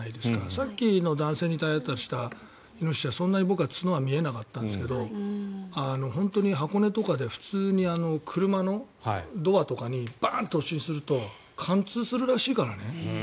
さっきの男性に体当たりしたイノシシはそんなに角は見えなかったんですけど本当に箱根とかで車のドアとかにバーンと突進すると貫通するらしいからね。